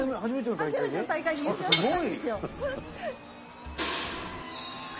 初めての大会で優勝したんですよ。